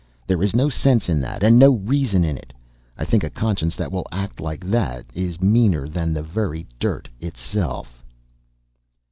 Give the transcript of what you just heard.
There is no sense in that, and no reason in it. I think a conscience that will act like that is meaner than the very dirt itself."